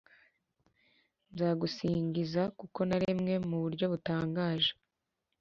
Nzagusingiza kuko naremwe mu buryo butangaje